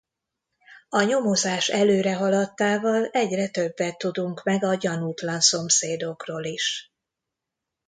A nyomozás előrehaladtával egyre többet tudunk meg a gyanútlan szomszédokról is.